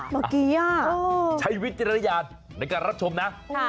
เมื่อกี้ใช้วิจารณญาณในการรับชมนะ